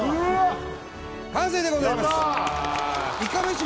完成でございますやった！